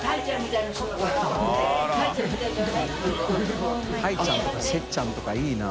たいちゃんとかせっちゃんとかいいな。